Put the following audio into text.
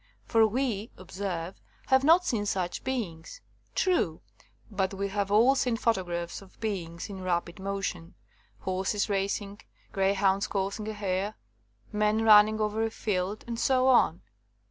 For we, observe, have not seen such beings. True: but we have all seen photographs of beings in rapid motion — horses racing, greyhounds coursing a hare, men running over a field, and so on.